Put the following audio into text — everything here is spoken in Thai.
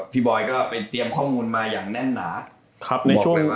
บอยก็ไปเตรียมข้อมูลมาอย่างแน่นหนา